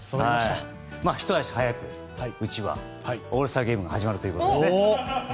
ひと足早く、うちはオールスターゲームが始まるということで。